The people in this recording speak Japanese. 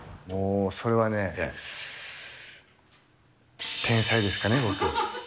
もうそれはね、天才ですかね、僕。